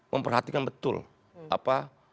memperhatikan betul apa